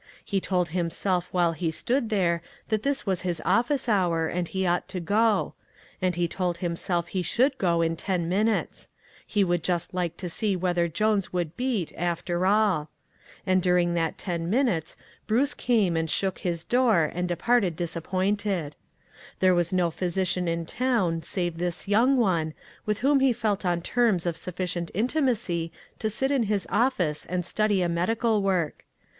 He told him self while he stood there that this was his office hour, and he ought to go ; and he told himself that he should go in ten min utes; he would just like to see whether Jones would beat, after all. And during that ten minutes Bruce came and shook 136 ONE COMMONPLACE DAY. his door and departed disappointed. There was no physician in town, save this young one, with whom he felt on terms of suffi cient intimacy to sit in his office and study a medical work.